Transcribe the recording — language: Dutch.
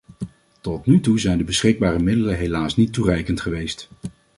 Tot nu toe zijn de beschikbare middelen helaas niet toereikend geweest.